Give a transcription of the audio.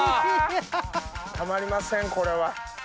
たまりませんこれは。